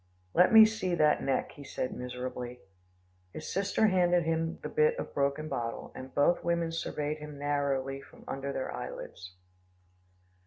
"Let me see that neck," he said miserably. His sister handed him the bit of broken bottle, and both women surveyed him narrowly from under their eyelids.